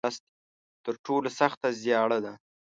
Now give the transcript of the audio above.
تر ټولو سخته زیاړه ده.